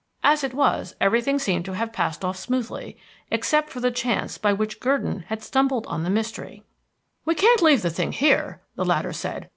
As it was, everything seemed to have passed off smoothly, except for the chance by which Gurdon had stumbled on the mystery. "We can't leave the thing here," the latter said.